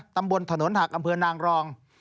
ตำบลถนนหักอำเภอนางรอง